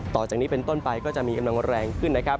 ต่อจากนี้เป็นต้นไปก็จะมีกำลังแรงขึ้นนะครับ